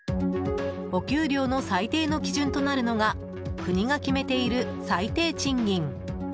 お給料の最低の基準となるのが国が決めている最低賃金。